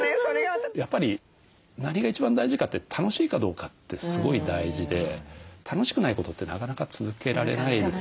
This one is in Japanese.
やっぱり何が一番大事かって楽しいかどうかってすごい大事で楽しくないことってなかなか続けられないですよね。